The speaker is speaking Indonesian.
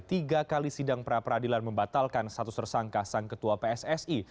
tiga kali sidang pra peradilan membatalkan status tersangka sang ketua pssi